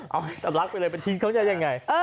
เอาไข่สัตว์ลักษณ์ไปเลยมาทิ้งเขาจะยังไง